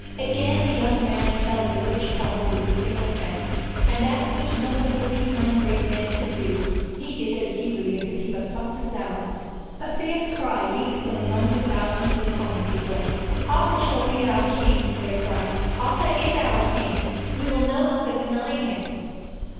Again the young man held the rich pommel with his single hand, and that which none of the forty nine great men could do, he did as easily as if he but plucked a flower. A fierce cry leaped from among the thousands of the common people. 'Arthur shall be our King!' they cried. 'Arthur is our King! We will no longer deny him!'